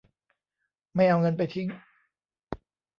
ไม่เอาเงินไปทิ้ง